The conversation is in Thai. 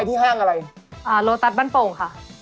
โลตัสโลบินสสรรค่ะ